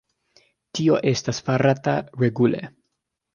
Tio estas farata regule.